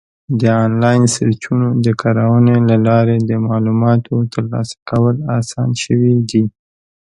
د آنلاین سرچینو د کارونې له لارې د معلوماتو ترلاسه کول اسان شوي دي.